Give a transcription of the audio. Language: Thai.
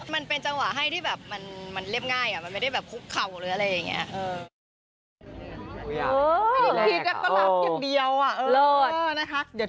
มันเป็นจังหวะให้ที่แบบมันเรียบง่ายมันไม่ได้แบบคุกเข่าหรืออะไรอย่างนี้